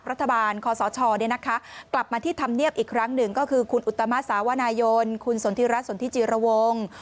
ผมไม่ท้าทายแต่ผมไม่ออก